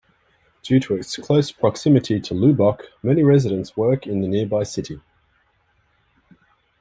Due to its close proximity to Lubbock, many residents work in the nearby city.